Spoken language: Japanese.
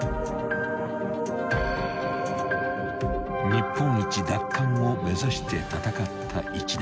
［日本一奪還を目指して戦った１年］